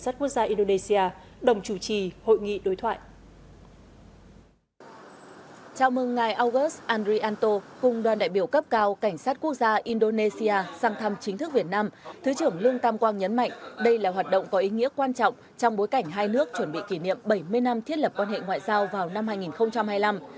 trong đại biểu cấp cao cảnh sát quốc gia indonesia sang thăm chính thức việt nam thứ trưởng lương tam quang nhấn mạnh đây là hoạt động có ý nghĩa quan trọng trong bối cảnh hai nước chuẩn bị kỷ niệm bảy mươi năm thiết lập quan hệ ngoại giao vào năm hai nghìn hai mươi năm